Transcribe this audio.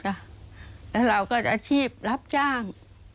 แล้วเราก็อาชีพรับจ้าง